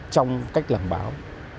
trong cách làm báo